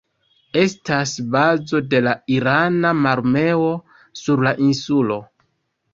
Estas bazo de la irana mararmeo sur la insulo.